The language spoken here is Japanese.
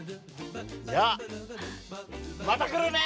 じゃあ、また来るね！